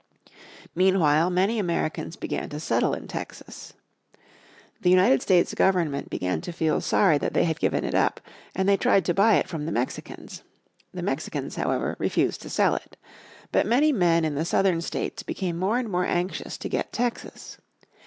Meanwhile many Americans began to settle in Texas. The United States Government began to feel sorry that they had given it up, and they tried to buy it from the Mexicans. The Mexicans, however, refused to sell it. But many men in the southern states became more and more anxious to get Texas.